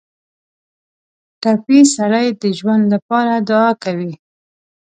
ټپي سړی د ژوند لپاره دعا کوي.